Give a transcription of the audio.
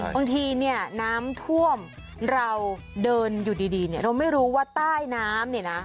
บางทีเนี่ยน้ำท่วมเราเดินอยู่ดีเนี่ยเราไม่รู้ว่าใต้น้ำเนี่ยนะ